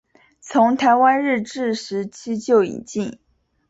从台湾日治时期就引进。